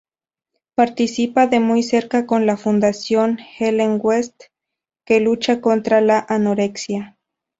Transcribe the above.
Participa de muy cerca con la fundación Ellen West que lucha contra la anorexia.